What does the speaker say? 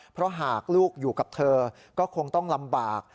เพราะหากลูกอยู่กับเธอก็คงต้องลำบาก